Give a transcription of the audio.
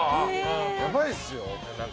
やばいですよ。